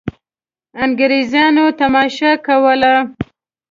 انګرېزانو یې تماشه کوله.